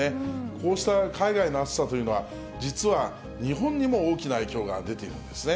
こうした海外の暑さというのは、実は日本にも大きな影響が出ているんですね。